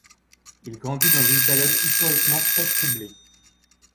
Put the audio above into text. Il grandit dans une période historiquement très troublée.